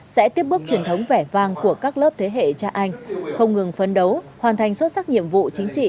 sẽ tiếp bước truyền thống vẻ vang của các lớp thế hệ cha anh không ngừng phấn đấu hoàn thành xuất sắc nhiệm vụ chính trị